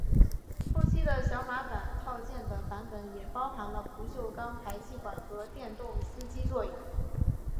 后期的小马版套件的版本也包含了不锈钢排气管和电动司机座椅。